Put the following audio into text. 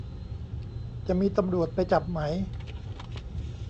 จะมีตำรวจไปจับไหม